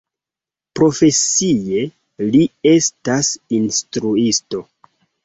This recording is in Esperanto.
Profesie, li estas instruisto.